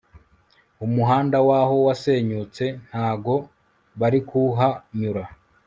umuhanda waho wasenyutse ntago barikuhanyura